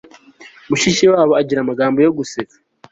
mushikiwabo agira amagambo yo guseka